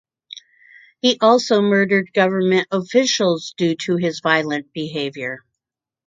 He also murdered government officials due to his violent behavior.